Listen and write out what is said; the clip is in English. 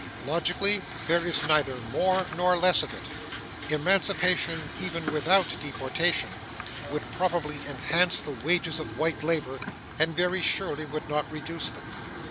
Logically, there is neither more nor less of it. Emancipation, even without deportation, would probably enhance the wages of white labor, and very surely would not reduce them.